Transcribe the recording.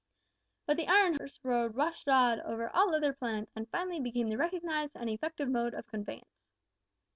But the Iron Horse rode roughshod over all other plans, and finally became the recognised and effective method of conveyance.